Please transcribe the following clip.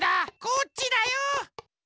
こっちだよ！